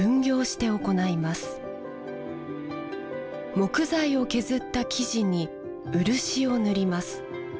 木材を削った木地に漆を塗ります。